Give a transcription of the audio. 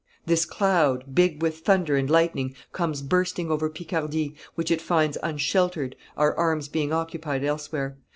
This cloud, big with thunder and lightning, comes bursting over Picardy, which it finds unsheltered, our arms being occupied elsewhere.